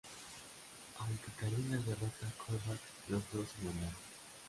Aunque Carina derrota a Korvac, los dos se enamoran.